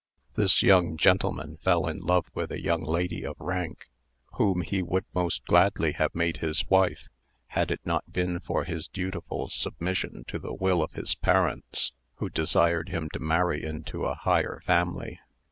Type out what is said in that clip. This young gentleman fell in love with a young lady of rank, whom he would most gladly have made his wife, had it not been for his dutiful submission to the will of his parents, who desired him to marry into a higher family.